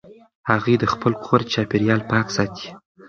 هغې د خپل کور چاپېریال پاک ساتي.